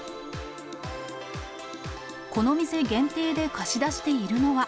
この店限定で貸し出しているのは。